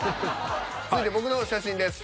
続いて僕の写真です。